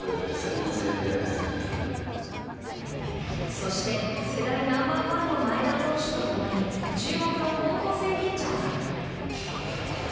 そして世代ナンバー１の前田投手と共に注目の高校生ピッチャーが。